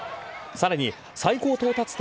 さらに最高到達点